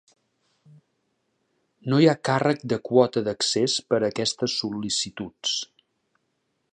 No hi ha càrrec de quota d'accés per a aquestes sol·licituds.